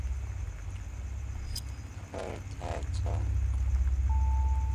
科尔泰站